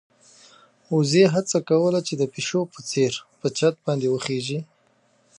وزې هڅه کوله چې د پيشو په څېر په چت باندې وخېژي.